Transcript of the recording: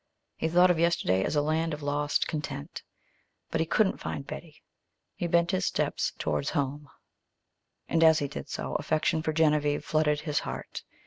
He thought of yesterday as a land of lost content. But he couldn't find Betty. He bent his steps toward home, and as he did so affection for Genevieve flooded his heart.